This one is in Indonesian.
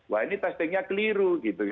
wah ini testingnya keliru